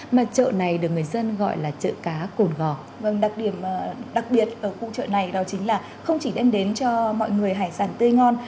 đặc điểm đặc biệt ở khu chợ này đó chính là không chỉ đem đến cho mọi người hải sản tươi ngon